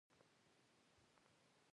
د ټيم ترمنځ یووالی بریا ته لاره هواروي.